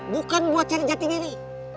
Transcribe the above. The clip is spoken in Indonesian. bukan buat cari jati diri